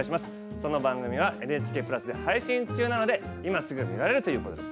その番組はＮＨＫプラスで配信中なので今すぐ見られるということです。